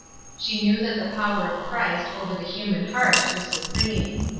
She knew that the power of Christ over the human heart was supreme.